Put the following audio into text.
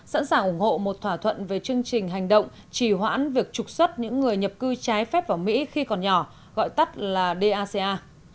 sẵn sàng ủng hộ một thỏa thuận về chương trình hành động trì hoãn việc trục xuất những người nhập cư trái phép vào mỹ khi còn nhỏ gọi tắt là daca